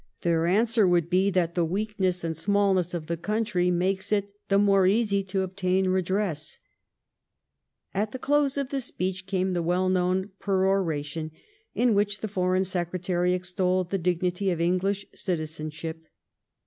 Their answer would be that the weakness and smaUness of the country makes it the more easy to obtain redress At the close of the speech came the well known peroration in which the Foreign Secretary extolled the dignity of English citizenship.